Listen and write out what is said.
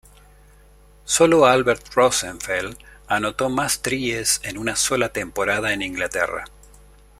Solo Albert Rosenfeld anotó más tries en una sola temporada en Inglaterra.